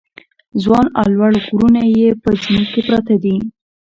ځوان او لوړ غرونه یې په جنوب کې پراته دي.